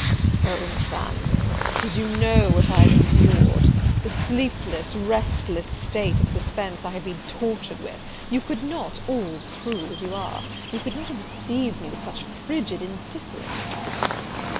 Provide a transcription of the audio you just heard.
Oh, Miss Anville, did you know what I have endured! the sleepless, restless state of suspense I have been tortured with, you could not, all cruel as you are, you could not have received me with such frigid indifference?"